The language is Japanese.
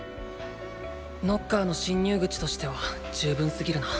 ノッカーの侵入口としては十分すぎるな。